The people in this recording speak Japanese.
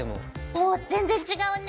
おっ全然違うね。